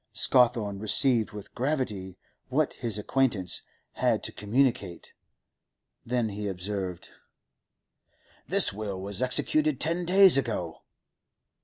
Scawthorne received with gravity what his acquaintance had to communicate. Then he observed: 'The will was executed ten days ago.